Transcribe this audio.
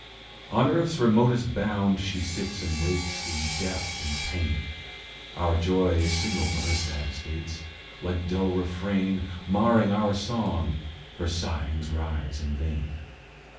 On earth's remotest bound she sits and waits In doubt and pain; Our joy is signal for her sad estates; Like dull refrain Marring our song, her sighings rise in vain.